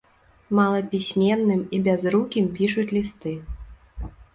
Малапісьменным і бязрукім пішуць лісты.